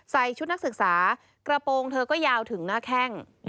ชุดนักศึกษากระโปรงเธอก็ยาวถึงหน้าแข้ง